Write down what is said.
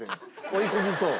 追い込みそう。